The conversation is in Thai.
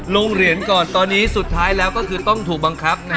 ลงเหรียญก่อนตอนนี้ต้องถูกบังคับ